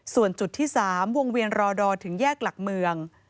ส่วนจุดที่๓วงเวียนรอดอถึงแยกหลักเมือง